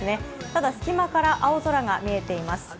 ただ隙間から青空が見えています。